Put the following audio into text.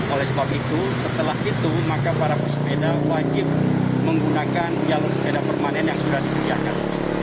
oleh sebab itu setelah itu maka para pesepeda wajib menggunakan jalur sepeda permanen yang sudah disediakan